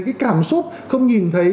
cái cảm xúc không nhìn thấy